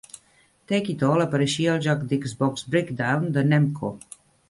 "Take it All" apareixia al joc d'Xbox "Breakdown" de Namco.